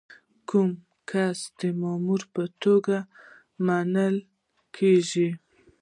کوم کس د مامور په توګه منل کیږي؟